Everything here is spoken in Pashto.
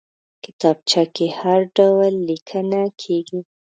کتابچه کې هر ډول لیکنه کېږي